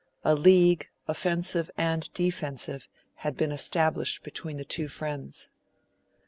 A league, offensive and defensive, had been established between the two friends.